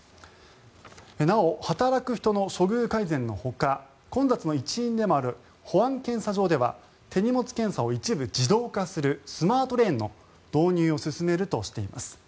なお、働く人の処遇改善のほか混雑の一因でもある保安検査場では手荷物検査を一部自動化するスマートレーンの導入を進めるとしています。